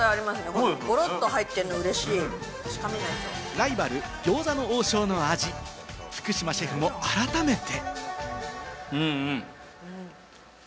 ライバル餃子の王将の味、福島シェフも改めて。